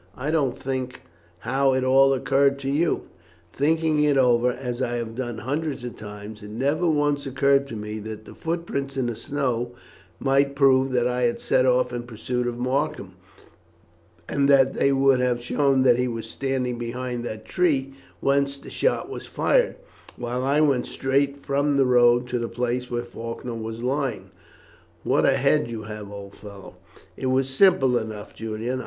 I can't think how it all occurred to you. Thinking it over, as I have done hundreds of times, it never once occurred to me that the footprints in the snow might prove that I had set off in pursuit of Markham, and that they would have shown that he was standing behind that tree whence the shot was fired, while I went straight from the road to the place where Faulkner was lying. What a head you have, old fellow!" "It was simple enough, Julian.